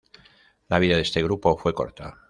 La vida de este grupo fue corta.